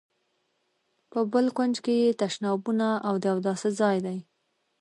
په بل کونج کې یې تشنابونه او د اوداسه ځای دی.